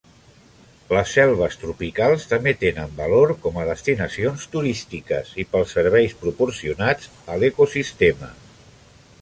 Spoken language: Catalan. Les selves tropicals també tenen valor com a destinacions turístiques i pels serveis proporcionats a l'ecosistema.